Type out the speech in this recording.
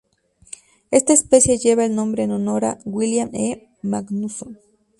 Esta especie lleva el nombre en honor a William E. Magnusson.